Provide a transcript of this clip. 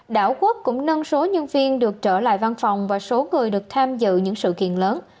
đảo quốc cũng nâng số nhân viên được trở lại văn phòng và số người được tham dự những sự kiện lớn